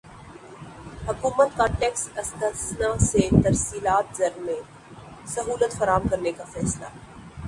حکومت کا ٹیکس استثنی سے ترسیلات زر میں سہولت فراہم کرنے کا فیصلہ